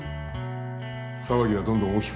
騒ぎはどんどん大きくなってる。